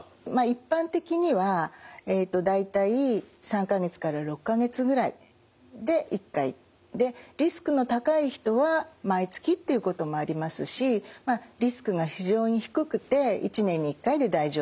一般的には大体３か月から６か月ぐらいで１回リスクの高い人は毎月っていうこともありますしリスクが非常に低くて１年に１回で大丈夫だっていう人もいらっしゃいます。